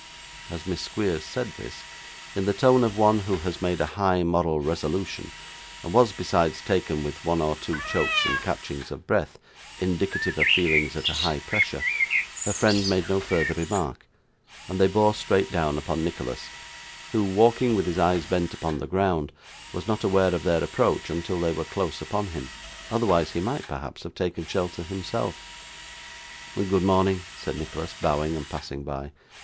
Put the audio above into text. As Miss Squeers said this, in the tone of one who has made a high moral resolution, and was, besides, taken with one or two chokes and catchings of breath, indicative of feelings at a high pressure, her friend made no further remark, and they bore straight down upon Nicholas, who, walking with his eyes bent upon the ground, was not aware of their approach until they were close upon him; otherwise, he might, perhaps, have taken shelter himself. 'Good morning,' said Nicholas, bowing and passing by.